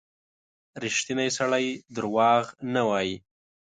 • ریښتینی سړی دروغ نه وايي.